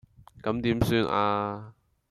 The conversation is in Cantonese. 咁點算呀